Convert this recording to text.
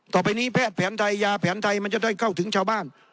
ต่อไปนี้แพทย์แผนไทยยาแผนไทยมันจะได้เข้าถึงชาวบ้าน